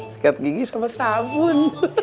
sekat gigi sama sabun